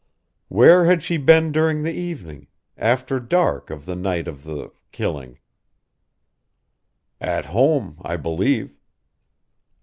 "Where had she been during the evening after dark of the night of the killing?" "At home I believe."